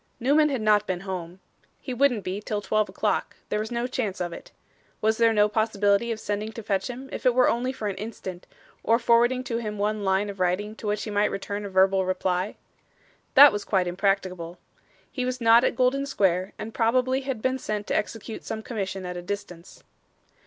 Newman had not been home. He wouldn't be, till twelve o'clock; there was no chance of it. Was there no possibility of sending to fetch him if it were only for an instant, or forwarding to him one line of writing to which he might return a verbal reply? That was quite impracticable. He was not at Golden Square, and probably had been sent to execute some commission at a distance.